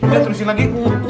ya terusin lagi